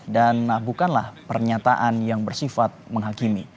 dan bukanlah pernyataan yang bersifat menghakimi